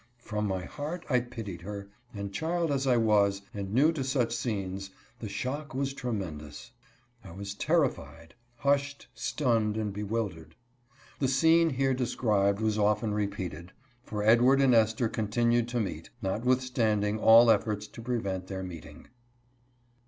From my heart I pitied her, and child as I was, and new to such scenes, the shock was tremendous. I was terrified^ hushedT^iinged "and bewildered. Thescene here de scribed was often repeated, for Edward and Esther con tinued to meet, notwithstanding all efforts to prevent their meeting.